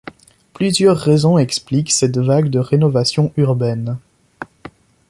Plusieurs raisons expliquent cette vague de rénovation urbaine.